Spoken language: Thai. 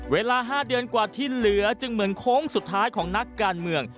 เวลา๕เดือนกว่าที่เหลือจึงเหมือนโค้งสุดท้ายของนักการเมือง